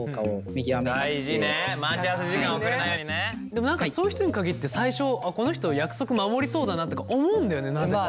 でも何かそういう人に限って最初この人約束守りそうだなとか思うんだよねなぜか。